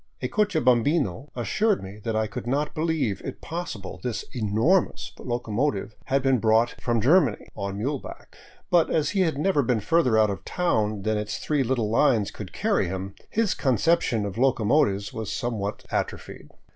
A cochabambino assured me that I could not believe it possible this " enormous " locomotive had been brought " from Germany " on muleback ; but as he had never been further out of town than its three little lines could carry him, his conception of locomotives was somewhat atrophied.